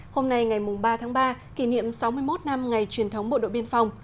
hôm nay ngày ba tháng ba kỷ niệm sáu mươi một năm ngày truyền thống bộ đội biên phòng